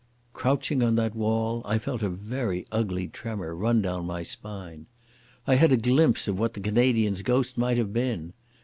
Crouching on that wall, I felt a very ugly tremor run down my spine. I had a glimpse of what the Canadian's ghost might have been.